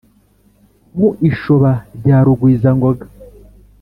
Mu ishoba rya Rugwizangoga